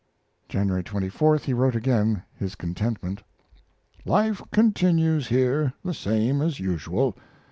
January 24th he wrote again of his contentment: Life continues here the same as usual.